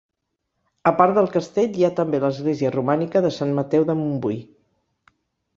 A part del castell, hi ha també l'església romànica de Sant Mateu de Montbui.